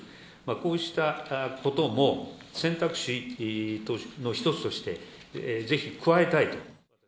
こうしたことも選択肢の一つとして、ぜひ加えたいと。